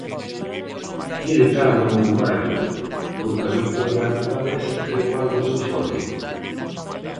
Pide calma Hugo Mallo porque a vitoria ante o Valencia creou algo de euforia.